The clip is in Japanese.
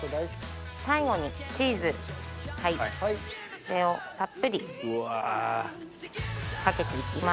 最後にチーズこれをたっぷりかけていきます。